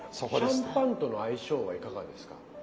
シャンパンとの相性はいかがですか？